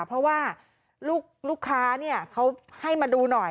เพราะว่าลูกค้าเขาให้มาดูหน่อย